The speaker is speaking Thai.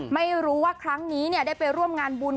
ไม่รู้ว่าครั้งนี้ได้ไปร่วมงานบุญ